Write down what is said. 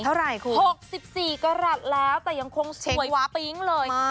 เท่าไหร่คุณหกสิบสี่ก็รัดแล้วแต่ยังคงสวยปิ๊งเลยมาก